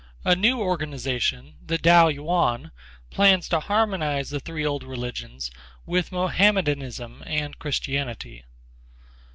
A new organization, the Tao Yuan, plans to harmonize the three old religions with Mohammedanism and Christianity.